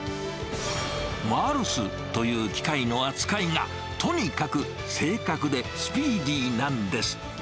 マルスという機械の扱いが、とにかく正確でスピーディーなんです。